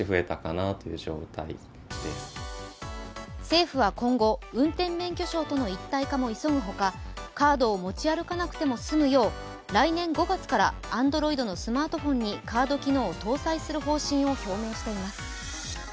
政府は、今後運転免許証との一体化も急ぐほかカードを持ち歩かなくても済むよう来年５月からＡｎｄｒｏｉｄのスマートフォンにカード機能を搭載する方針を表明しています。